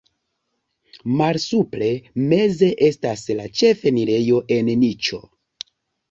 Malsupre meze estas la ĉefenirejo en niĉo.